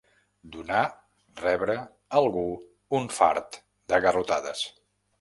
Donar, rebre, algú un fart de garrotades.